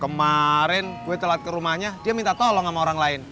kemarin gue telat ke rumahnya dia minta tolong sama orang lain